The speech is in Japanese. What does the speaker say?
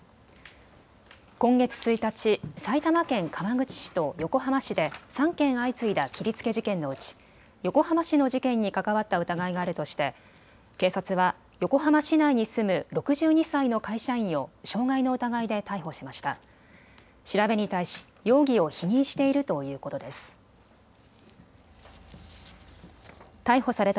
今月１日、埼玉県川口市と横浜市で３件相次いだ切りつけ事件のうち、横浜市の事件に関わった疑いがあるとして警察は横浜市内に住む６２歳の会社員を傷害の疑いで逮捕しました。